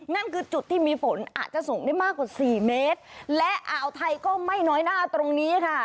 นั่นคือจุดที่มีฝนอาจจะสูงได้มากกว่าสี่เมตรและอ่าวไทยก็ไม่น้อยหน้าตรงนี้ค่ะ